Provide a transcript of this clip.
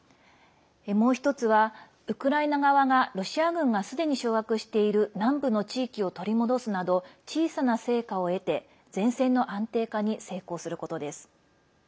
もう１つは、ウクライナ側がロシア軍がすでに掌握している南部の地域を取り戻すなど小さな成果を得て前線の安定化に成功することです。